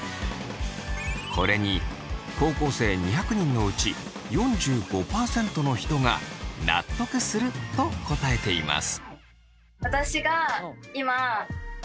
これに高校生２００人のうち４５％の人が納得すると答えています。